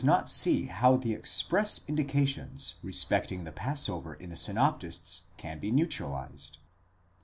not see how the express indications respecting the passover in the synoptists can be neutralized.